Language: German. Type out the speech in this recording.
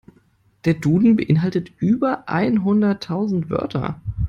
Der Duden beeinhaltet über einhunderttausend Wörter.